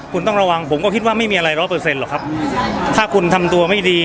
คุณต้องระวังผมก็คิดว่าไม่มีอะไรร้อยเปอร์เซ็นหรอกครับถ้าคุณทำตัวไม่ดี